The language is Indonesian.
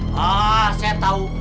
hah saya tahu